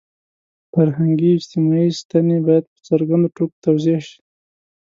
فرهنګي – اجتماعي ستنې باید په څرګندو ټکو توضیح شي.